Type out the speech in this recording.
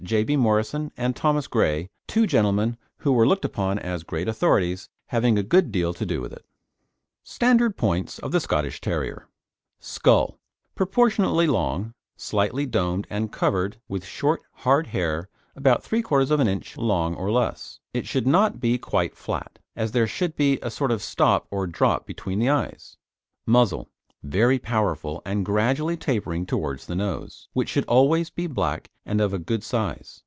J. B. Morison and Thomson Gray, two gentlemen who were looked upon as great authorities, having a good deal to do with it. STANDARD OF POINTS OF THE SCOTTISH TERRIER: SKULL Proportionately long, slightly domed and covered with short hard hair about 3/4 inch long or less. It should not be quite flat, as there should be a sort of stop or drop between the eyes. MUZZLE Very powerful, and gradually tapering towards the nose, which should always be black and of a good size.